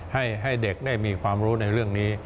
ให้เด็กได้มีความรู้ในเรื่องนี้